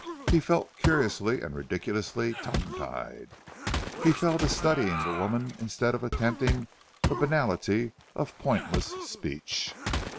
He felt curiously and ridiculously tongue tied. He fell to studying the woman instead of attempting the banality of pointless speech.